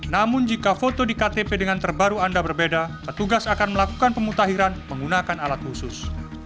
namun jika foto di ktp dengan terbaru anda berbeda petugas akan melakukan pemutahiran menggunakan alat khusus